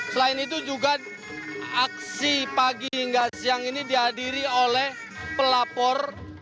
selain itu juga aksi pagi hingga siang ini dihadiri oleh pelapor